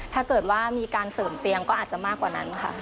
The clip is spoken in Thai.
ถ้าเกิดว่ามีการเสริมเตียงก็อาจจะมากกว่านั้นค่ะ